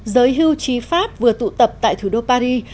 giới hưu trí pháp vừa tụ tập tại thủ đô paris